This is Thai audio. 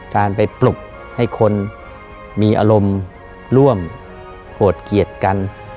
การไปปลุกให้คนมีอารมณ์ร่วมโหดเกียรติกัน